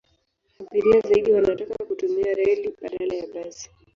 Abiria zaidi wanataka kutumia reli badala ya basi.